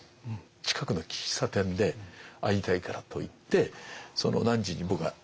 近くの喫茶店で会いたいからといってその何時に僕が行ったんですね。